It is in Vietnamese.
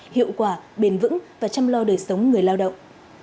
hiệu quả bền vững và chăm lo đời sống người lao động